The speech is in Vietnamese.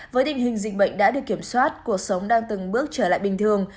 với tình hình dịch bệnh đã được kiểm soát cuộc sống đang từng bước trở lại bình thường